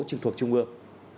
trực thuộc trung ương